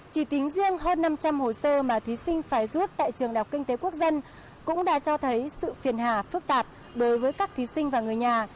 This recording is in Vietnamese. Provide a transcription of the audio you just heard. chỉ tính riêng hơn năm trăm linh hồ sơ mà thí sinh phải rút tại trường đại học kinh tế quốc dân cũng đã cho thấy sự phiền hà phức tạp đối với các thí sinh và người nhà